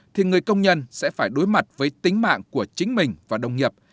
thì người công nhân sẽ phải đối mặt với tính mạng của chính mình và đồng nghiệp